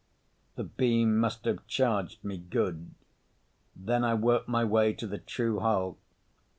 The beam must have charged me good. Then I worked my way to the true hull.